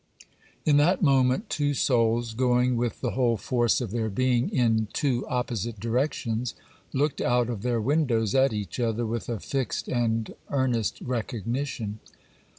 In that moment, two souls, going with the whole force of their being in two opposite directions, looked out of their windows at each other with a fixed and earnest recognition.